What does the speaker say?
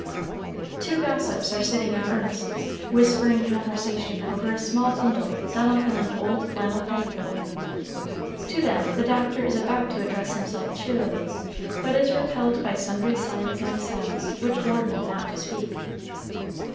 Two gossips are sitting in earnest, whispering conversation over a small bundle done up in an old flannel petticoat. To them the doctor is about to address himself cheerily, but is repelled by sundry signs and sounds which warn him not to speak.